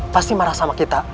pasti marah sama kita